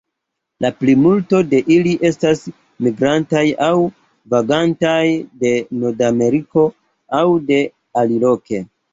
La plimulto de ili estas migrantaj aŭ vagantaj de Nordameriko aŭ de aliloke.